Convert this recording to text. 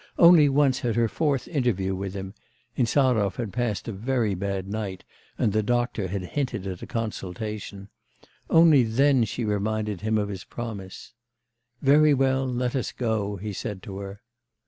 Only once at her fourth interview with him Insarov had passed a very bad night, the doctor had hinted at a consultation only then she reminded him of his promise. 'Very well, then let us go,' he said to her.